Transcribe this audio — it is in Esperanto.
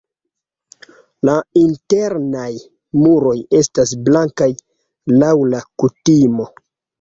La internaj muroj estas blankaj laŭ la kutimo.